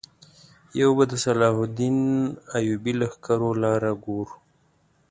یو به د سلطان صلاح الدین ایوبي لښکرو لاره ګورو.